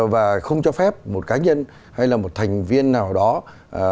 và không cho phép một cá nhân hay là một thành viên nào đó một đối tác nào đó